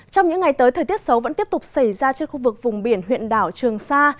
trong những ngày tới thời tiết xấu vẫn tiếp tục xảy ra trên khu vực vùng biển huyện đảo trường sa